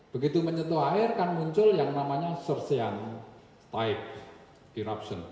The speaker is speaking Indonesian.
begitu menyentuh air kan muncul yang namanya survei type diruption